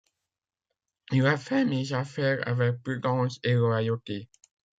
Il a fait mes affaires avec prudence et loyauté.